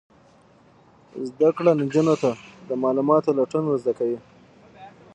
زده کړه نجونو ته د معلوماتو لټون ور زده کوي.